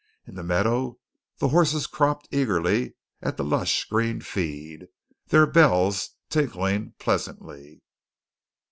In the meadow the horses cropped eagerly at the lush green feed, their bells tinkling pleasantly.